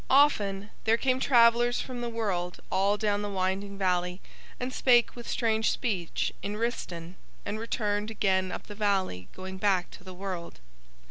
Often there came travellers from the world all down the winding valley, and spake with strange speech in Rhistaun and returned again up the valley going back to the world.